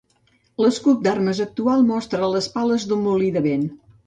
L'escut d'armes actual mostra les pales d'un molí de vent.